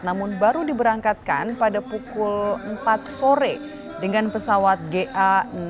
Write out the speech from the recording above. namun baru diberangkatkan pada pukul empat sore dengan pesawat ga enam ribu satu ratus empat puluh tiga